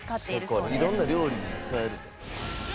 色んな料理に使える。